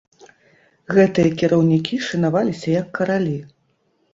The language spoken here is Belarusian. Гэтыя кіраўнікі шанаваліся як каралі.